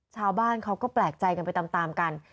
ชาวบ้านเขาก็แปลกใจกันไปตามกัน